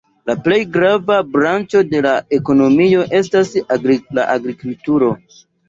La plej grava branĉo de la ekonomio estas la agrikulturo.